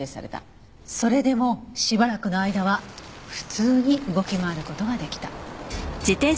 それでもしばらくの間は普通に動き回る事ができた。